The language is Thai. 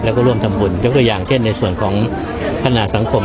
แล้วก็ร่วมทำบุญยกตัวอย่างเช่นในส่วนของพัฒนาสังคม